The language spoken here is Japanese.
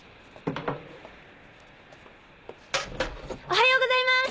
おはようございます！